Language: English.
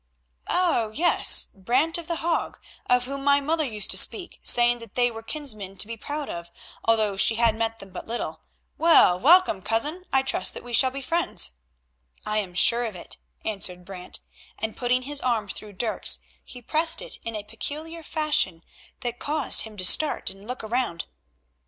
"Oh! yes, Brant of The Hague, of whom my mother used to speak, saying that they were kinsmen to be proud of, although she had met them but little. Well, welcome, cousin; I trust that we shall be friends." "I am sure of it," answered Brant, and putting his arm through Dirk's he pressed it in a peculiar fashion that caused him to start and look round.